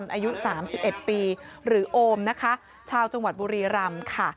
อายุ๓๑ปีหรือโอมนะคะชาวจังหวัดบุรีรำค่ะ